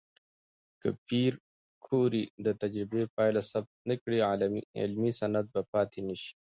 که پېیر کوري د تجربې پایله ثبت نه کړي، علمي سند به پاتې نشي.